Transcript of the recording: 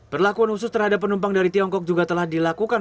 perlakuan khusus terhadap penumpang dari tiongkok juga telah dilakukan